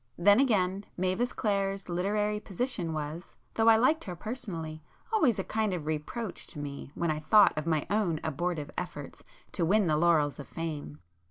Then again, Mavis Clare's literary position was, though I liked her personally, always a kind of reproach to me when I thought of my own abortive efforts to win the laurels of fame.